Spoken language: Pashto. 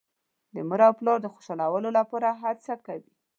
د مور او پلار د خوشحالولو لپاره هڅه کوي.